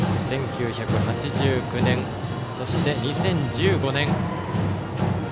１９８９年、そして２０１５年。